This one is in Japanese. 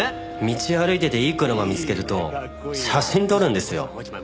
道歩いてていい車見つけると写真撮るんですよ。